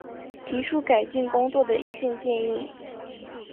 提出改进工作的意见建议